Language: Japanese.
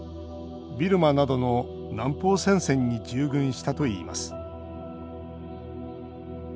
ビルマなどの南方戦線に従軍したといいます。